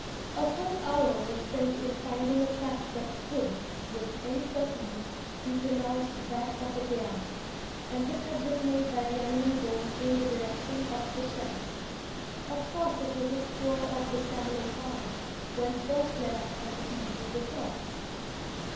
A full hour was spent in finding a track that could, with any certainty, be pronounced that of a giraffe, and this had been made by the animal going in the direction of the sheds. Of course it was the spoor of the camelopards when first led up on the evening before.